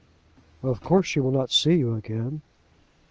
"Of course she will not see you again."